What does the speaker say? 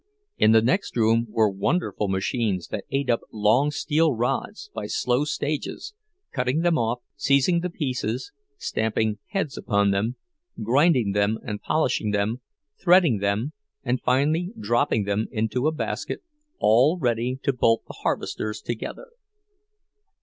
In the next room were wonderful machines that ate up long steel rods by slow stages, cutting them off, seizing the pieces, stamping heads upon them, grinding them and polishing them, threading them, and finally dropping them into a basket, all ready to bolt the harvesters together.